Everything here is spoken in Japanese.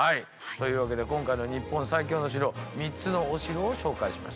というわけで今回の「日本最強の城」３つのお城を紹介しました。